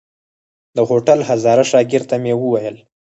د هوټل هزاره شاګرد ته مې وويل.